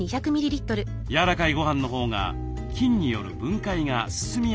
やわらかいごはんのほうが菌による分解が進みやすいそうです。